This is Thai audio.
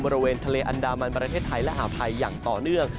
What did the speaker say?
บริเวณทะเลอันดามันประเทศไทยและอ่าวไทยอย่างต่อเนื่อง